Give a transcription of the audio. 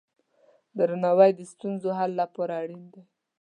درناوی د ستونزو حل لپاره اړین دی.